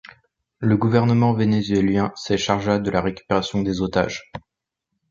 Le gouvernement vénézuélien se chargea de la récupération des otages.